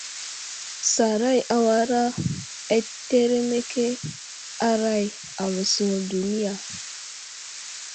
Saray awara ateremeke aray aməsər duniya.